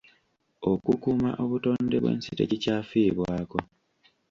Okukuuma obutonde bw'ensi tekikyafiibwako.